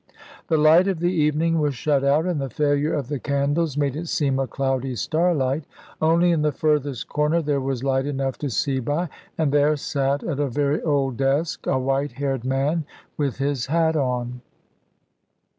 The light of the evening was shut out, and the failure of the candles made it seem a cloudy starlight. Only in the furthest corner there was light enough to see by; and there sate, at a very old desk, a white haired man with his hat on.